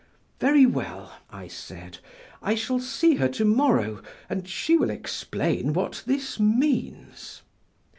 "Very well," I said, "I shall see her to morrow and she will explain what this means."